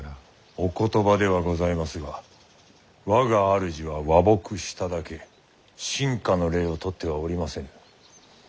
お言葉ではございますが我が主は和睦しただけ臣下の礼をとってはおりませぬ。